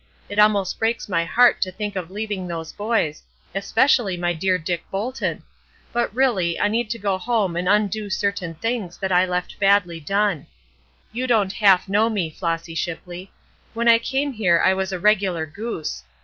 It almost breaks my heart to think of leaving those boys, especially my dear Dick Bolton; but really, I need to go home and undo certain things that I left badly done. You don't half know me, Flossy Shipley. When I came here I was a regular goose.